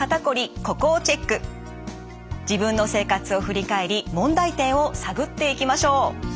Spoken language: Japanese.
自分の生活を振り返り問題点を探っていきましょう。